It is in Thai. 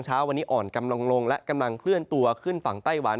เช้าวันนี้อ่อนกำลังลงและกำลังเคลื่อนตัวขึ้นฝั่งไต้หวัน